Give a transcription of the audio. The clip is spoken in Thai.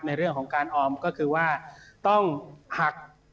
ในเรื่องของการออมก็คือว่าต้องหัก